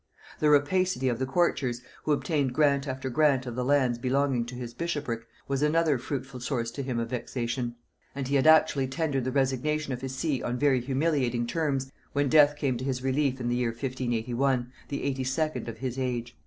The rapacity of the courtiers, who obtained grant after grant of the lands belonging to his bishopric, was another fruitful source to him of vexation; and he had actually tendered the resignation of his see on very humiliating terms, when death came to his relief in the year 1581, the eighty second of his age.